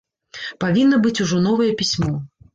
Павінна быць ужо новае пісьмо.